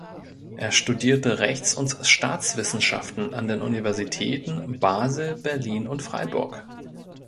Er studierte Rechts- und Staatswissenschaften an den Universitäten Basel, Berlin und Freiburg.